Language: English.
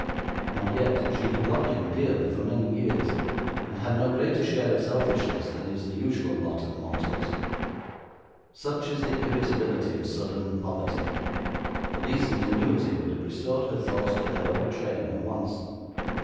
And yet, she had loved him dearly for many years, and had no greater share of selfishness than is the usual lot of mortals. Such is the irritability of sudden poverty. A decent annuity would have restored her thoughts to their old train, at once.